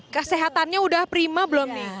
kesehatannya udah prima belum nih